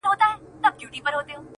چاته غل چاته عسکر وو په نس موړ وو؛